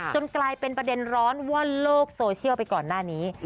กลายเป็นประเด็นร้อนว่อนโลกโซเชียลไปก่อนหน้านี้